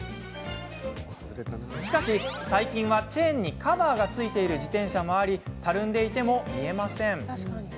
しかし、最近はチェーンにカバーがついている自転車もありたるんでいても見えません。